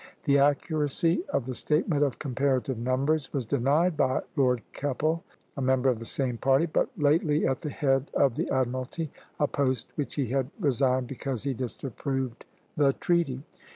The accuracy of the statement of comparative numbers was denied by Lord Keppel, a member of the same party, and but lately at the head of the admiralty, a post which he had resigned because he disapproved the treaty.